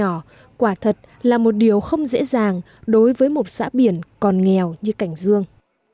nhỏ quả thật là một điều không dễ dàng đối với một xã biển còn nghèo như cảnh dương